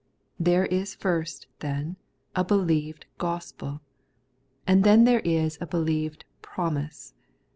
There is first, then, a believed gospel, and then there is a believed promise.